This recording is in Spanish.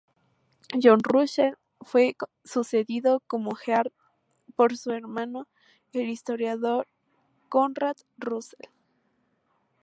John Russell fue sucedido como Earl por su hermanastro, el historiador Conrad Russell.